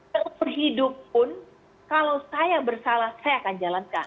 seumur hidup pun kalau saya bersalah saya akan jalankan